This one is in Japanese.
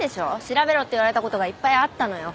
調べろって言われたことがいっぱいあったのよ。